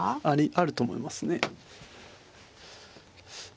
あると思いますね。